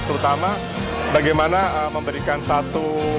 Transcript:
terutama bagaimana memberikan satu